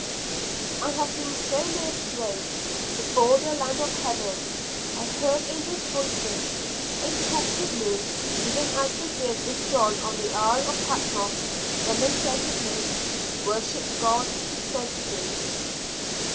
I have been so near the grave, the border land of heaven. I heard angels' voices; they talked with me even as they did with John on the Isle of Patmos, when they said to him, "Worship God who sent me."